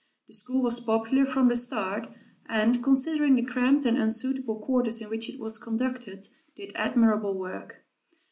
The school was popular from the start, and, considering the cramped and unsuitable quarters in which it was conducted, did admirable work.